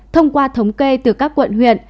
thông qua thống kê từ các quận huyện